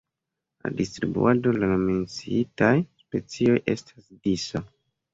La distribuado de la menciitaj specioj estas disa.